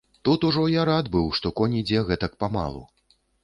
Тут ужо я рад быў, што конь ідзе гэтак памалу.